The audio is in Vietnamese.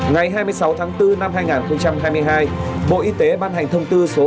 ngày hai mươi sáu tháng bốn năm hai nghìn hai mươi hai bộ y tế ban hành thông tư số ba hai nghìn hai mươi hai